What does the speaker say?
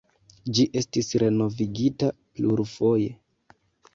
Ĝi estis renovigita plurfoje.